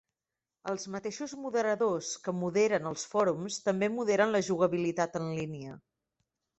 Els mateixos moderadors que moderen els fòrums també moderen la jugabilitat en línia.